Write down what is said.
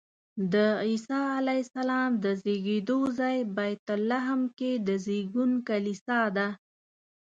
د عیسی علیه السلام د زېږېدو ځای بیت لحم کې د زېږون کلیسا ده.